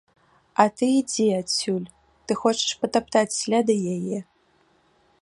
А ты ідзі адсюль, ты хочаш патаптаць сляды яе.